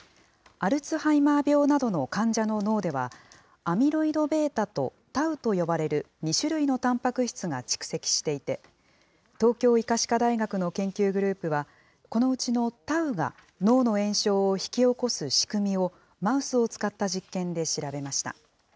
アルツハイマー病などの患者の脳では、アミロイドベータとタウと呼ばれる２種類のたんぱく質が蓄積していて、東京医科歯科大学の研究グループは、このうちのタウが、脳の炎症を引き起こす仕組みを、マウスを使った実験で調べました。